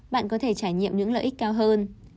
bạn có thể trải nghiệm những lợi ích cao hơn